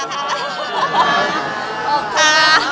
ขอบคุณค่ะ